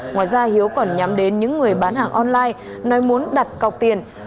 ngoài ra hiếu còn nhắm đến những người bán hàng online nói muốn đặt cọc tiền